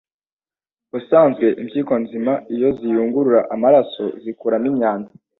Ubusanzwe impyiko nzima iyo ziyungurura amaraso zikuramo imyanda